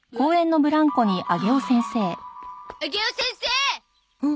上尾先生！